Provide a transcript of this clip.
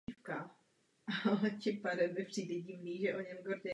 Naproti tomu kubánská vláda označila katastrofu za americkou národní tragédii.